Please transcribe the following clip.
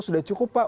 sudah cukup pak